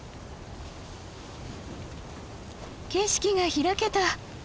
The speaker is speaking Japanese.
景色が開けた。